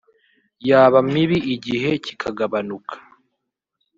yaba mibi igihe kikagabanuka